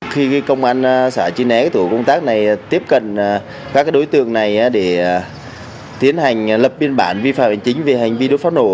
khi công an xã chi né tổ công tác này tiếp cận các đối tượng này để tiến hành lập biên bản vi phạm hành chính về hành vi đốt phát nổ